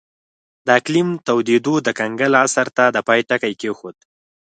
د اقلیم تودېدو د کنګل عصر ته د پای ټکی کېښود